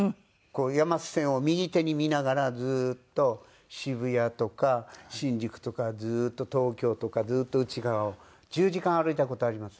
こう山手線を右手に見ながらずーっと渋谷とか新宿とかずーっと東京とかずっと内側を１０時間歩いた事ありますね。